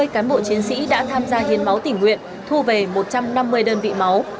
một trăm năm mươi cán bộ chiến sĩ đã tham gia hiến máu tỉnh nguyện thu về một trăm năm mươi đơn vị máu